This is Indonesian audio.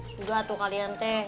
sudah tuh kalian teh